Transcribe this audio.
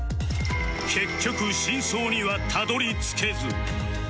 結局真相にはたどり着けず